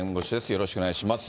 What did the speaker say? よろしくお願いします。